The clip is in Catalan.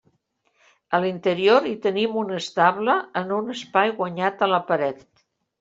A l'interior hi tenim un estable en un espai guanyat a la paret.